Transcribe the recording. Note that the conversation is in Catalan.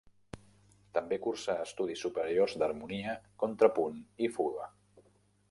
També cursà estudis superiors d’harmonia, contrapunt i fuga.